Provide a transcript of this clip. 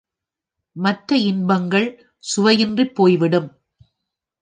மற்ற இன்பங்கள் சுவையின்றிப் போய்விடும்.